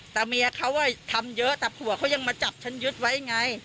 แต่เมียเขาทำเยอะแต่ผัวเขายังมาจับฉันยึดไว้ไง